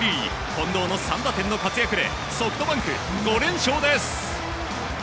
近藤の３打点の活躍でソフトバンク５連勝です。